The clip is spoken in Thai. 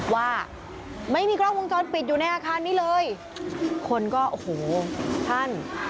ว่าไม่มีกล้องวงจรปิดอยู่ในอาคารนี้เลยคนก็โอ้โหท่าน